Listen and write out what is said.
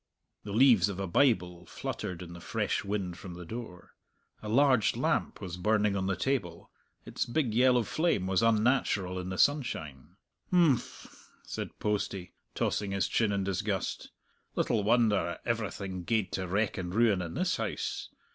The leaves of a Bible fluttered in the fresh wind from the door. A large lamp was burning on the table. Its big yellow flame was unnatural in the sunshine. "H'mph!" said Postie, tossing his chin in disgust, "little wonder everything gaed to wreck and ruin in this house!